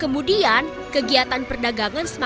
kemudian kegiatan perdagangan semakin ramai